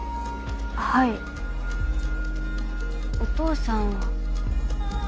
はいお父さんは？